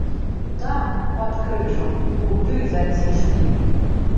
Там, пад крыжам, куды зацішней.